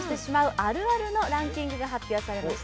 あるあるのランキングが発表されました。